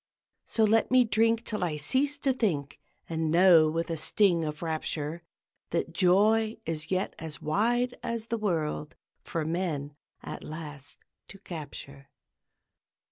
So let me drink till I cease to think, And know with a sting of rapture That joy is yet as wide as the world For men, at last, to capture!